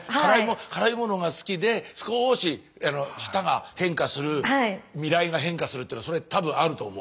辛いものが好きで少し舌が変化する味蕾が変化するっていうのそれ多分あると思う。